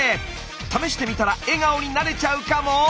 試してみたら笑顔になれちゃうかも？